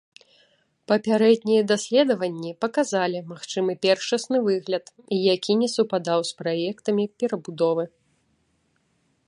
Папярэднія даследаванні паказалі магчымы першасны выгляд, які не супадаў з праектамі перабудовы.